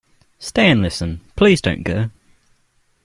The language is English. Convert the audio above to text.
Stay and listen; please don't go